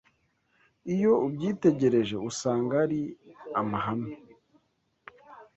Iyo ubyitegereje usanga ari amahame